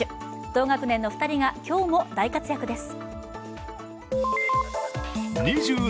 同学年の２人が今日も大活躍です。